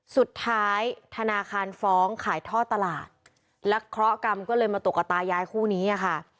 สุดท้ายธนาคารฟ้องขายท่อตลาดและเคราะห์กรรมก็เลยมาตกตาย้ายคู่นี้อ่ะค่ะ